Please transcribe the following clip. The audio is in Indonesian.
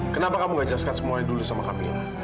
kenapa kamu nggak jelaskan semuanya dulu sama kamila